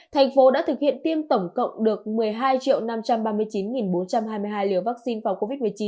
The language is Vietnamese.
thành phố đã thực hiện tiêm tổng cộng được một mươi hai năm trăm ba mươi chín bốn trăm hai mươi hai liều vaccine phòng covid một mươi chín